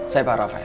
saya pak rafael